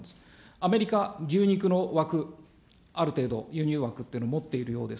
アメリカ、牛肉の枠、ある程度、輸入枠というのを持っているようです。